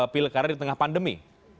pilih karir di tengah pandemi